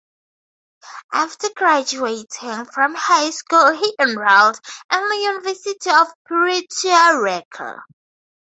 After graduating from high school he enrolled in the University of Puerto Rico.